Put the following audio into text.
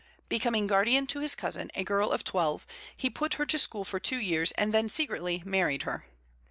Becoming guardian to his cousin, a girl of twelve, he put her to school for two years and then secretly married her.